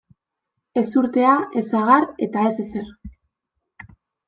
Ezurtea, ez sagar eta ez ezer.